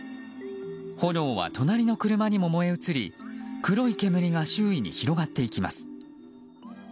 炎は隣の車にも燃え移り黒い煙が周囲に広がっていきます。